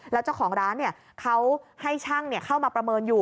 แล้วเจ้าของร้านเขาให้ช่างเข้ามาประเมินอยู่